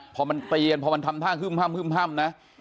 พอมันตีกันพอมันทำท่างขึ้มห้่ำนะ